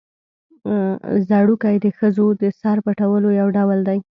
ځړوکی د ښځو د سر پټولو یو ډول دی